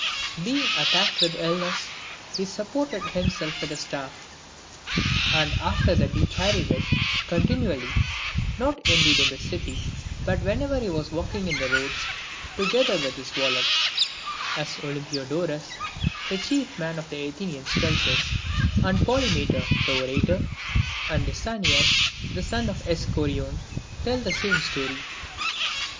Being attacked with illness, he supported himself with a staff; and after that he carried it continually, not indeed in the city, but whenever he was walking in the roads, together with his wallet, as Olympiodorus, the chief man of the Athenians tells us ; and Polymeter, the orator, and Lysanias, the son of ^Eschorion, tell the same story.